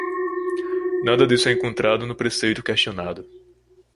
Nada disso é encontrado no preceito questionado.